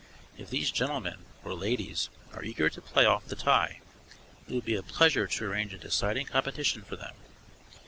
If these gentlemen (or ladies) are eager to play off the tie, it would be a pleasure to arrange a deciding competition for them.